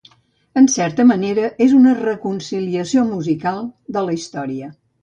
En certa manera, és una "reconciliació musical" de la història.